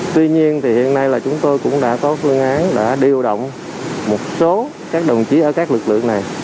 tuy nhiên thì hiện nay là chúng tôi cũng đã có lương án đã điều động một số các đồng chí ở các lực lượng này